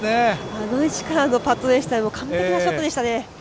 あの位置からのパットでしたら完璧なショットですね。